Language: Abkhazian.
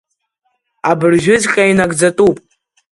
Абыржәыҵәҟьа инагӡатәуп.